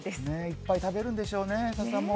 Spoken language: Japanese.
いっぱい食べるんでしょうね、笹も。